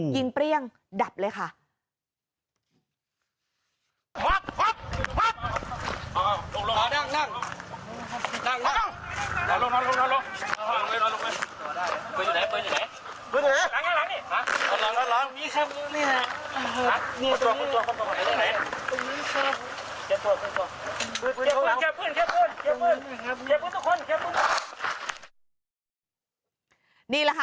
เปรี้ยงดับเลยค่ะ